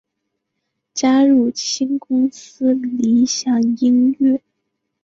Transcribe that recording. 加入新公司理响音乐。